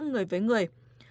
người với người